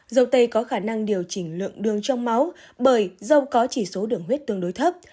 dâu tây có khả năng điều chỉnh lượng đường trong máu bởi dâu có chỉ số đường huyết tương đối thấp